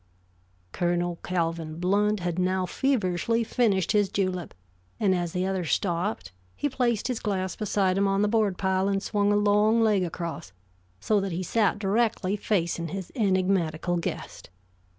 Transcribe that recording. Colonel Calvin Blount had now feverishly finished his julep, and as the other stopped, he placed his glass beside him on the board pile and swung a long leg across, so that he sat directly facing his enigmatical guest.